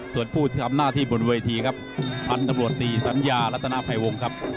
ส่วนผู้ทำหน้าที่บนเวทีพันธ์กำลัวตีสัญญาละตนาภายวงครับ